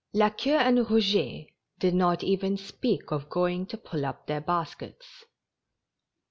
La Queue and Rouget did not even speak of going to pull up their baskets.